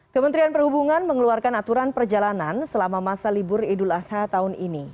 kementerian perhubungan mengeluarkan aturan perjalanan selama masa libur idul adha tahun ini